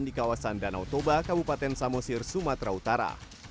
di kawasan danau toba kabupaten samosir sumatera utara